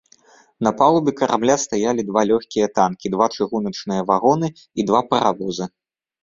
На палубе карабля стаялі два лёгкія танкі, два чыгуначныя вагоны і два паравозы.